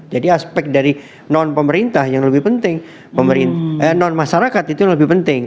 jadi aspek dari non pemerintah yang lebih penting non masyarakat itu yang lebih penting